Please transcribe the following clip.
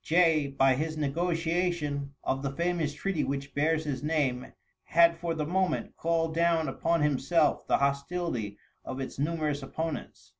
Jay, by his negotiation of the famous treaty which bears his name, had for the moment called down upon himself the hostility of its numerous opponents.